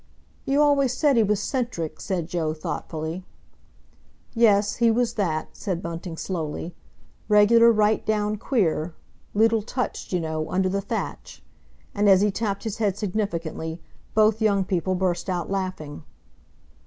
"You always said he was 'centric," said Joe thoughtfully. "Yes, he was that," said Bunting slowly. "Regular right down queer. Leetle touched, you know, under the thatch," and, as he tapped his head significantly, both young people burst out laughing.